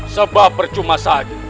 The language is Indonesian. sebab bercuma saja